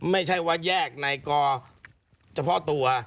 ไม่ใช่ว่าแยกในกอเฉพาะตัว